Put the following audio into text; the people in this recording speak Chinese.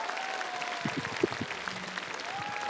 他的欢迎外国人政策受到排外势力的反对。